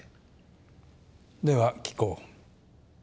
では聞こう。